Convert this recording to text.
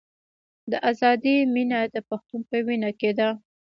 د ازادۍ مینه د پښتون په وینه کې ده.